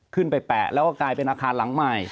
ขึ้นไปแปะแล้วก็กลายเป็นอาคารหลังไม้